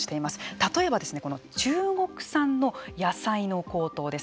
例えば、この中国産の野菜の高騰です。